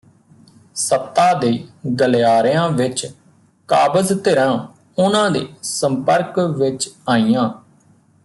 ਸੱਤਾ ਦੇ ਗਲਿਆਰਿਆਂ ਵਿਚ ਕਾਬਜ਼ ਧਿਰਾਂ ਉਹਨਾਂ ਦੇ ਸੰਪਰਕ ਵਿਚ ਆਈਆਂ